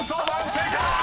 ［正解！